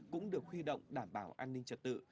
cũng được huy động đảm bảo an ninh trật tự